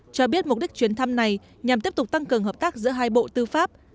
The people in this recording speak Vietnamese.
cho biết mục đích chuyến thăm này nhằm tiếp tục tăng cường hợp tác giữa hai bộ tư pháp